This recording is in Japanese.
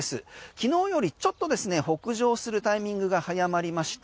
昨日よりちょっと北上するタイミングが早まりました。